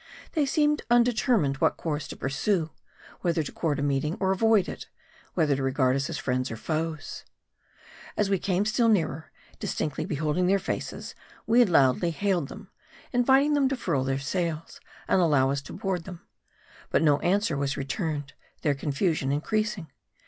They seemed undetermined what course to pursue : whether to court a meeting, or avoid it ; whether to regard us as friends or foes. As we came still nearer, distinctly beholding their faces, we loudly hailed them, inviting them to furl their sails, and allow us to board them. But no answer was returned ; their confusion increasing.